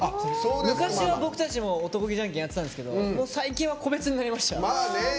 昔は、僕たちも男気じゃんけんやってたんですけど最近は個別になりました。